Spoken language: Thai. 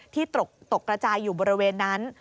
ตกกระจายอยู่บริเวณนั้น